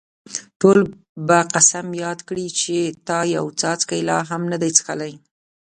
ټول به قسم یاد کړي چې تا یو څاڅکی لا هم نه دی څښلی.